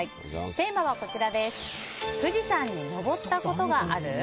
テーマは富士山に登ったことがある？